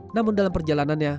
namun dalam perjalanannya